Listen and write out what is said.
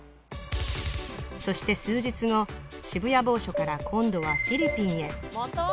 そして数日後渋谷某所から今度はフィリピンへ・また？